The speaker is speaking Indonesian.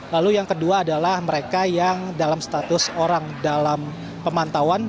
lalu yang kedua adalah mereka yang dalam status orang dalam pemantauan